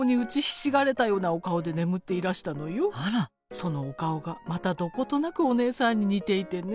そのお顔がまたどことなくお姉さんに似ていてね。